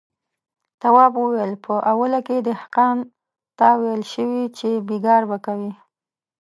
تواب وويل: په اوله کې دهقان ته ويل شوي چې بېګار به کوي.